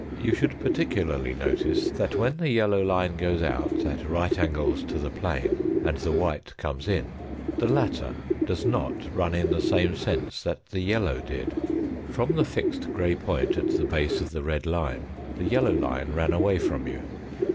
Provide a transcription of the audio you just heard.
You should particularly notice that when the yellow line goes out, at right angles to the plane, and the white comes in, the latter does not run in the same sense that the yellow did. From the fixed grey point at the base of the red line the yellow line ran away from you.